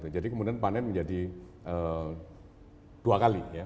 jadi kemudian panen menjadi dua kali